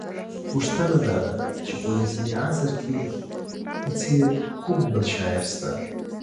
پوښتنه دا ده چې په اوسني عصر کې په څېر کوم بل شاعر شته